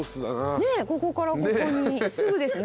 ねえここからここにすぐですね。